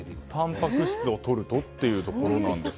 たんぱく質をとるとということですかね。